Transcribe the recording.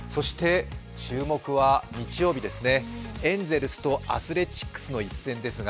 注目は日曜日です、エンゼルスとアスレチックスの一戦ですが。